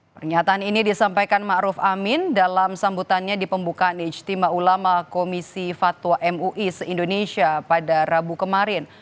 pernyataan ini disampaikan ⁇ maruf ⁇ amin dalam sambutannya di pembukaan ijtima ulama komisi fatwa mui se indonesia pada rabu kemarin